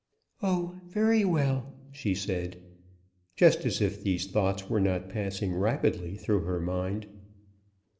"Oh, very well," she said, just as if these thoughts were not passing rapidly through her mind.